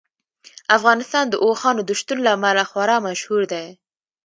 افغانستان د اوښانو د شتون له امله خورا مشهور دی.